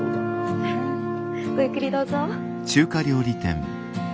ごゆっくりどうぞ。